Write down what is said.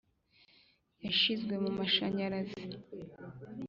yashizwe mumashanyarazi;